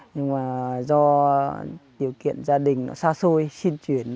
nhưng mà do điều kiện gia đình nó xa xôi xin chuyển